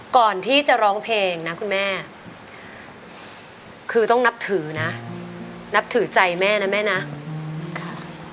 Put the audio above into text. ก่อนที่จะร้องเพลงนะคุณแม่คือต้องนับถือนะนับถือใจแม่นะแม่นะค่ะ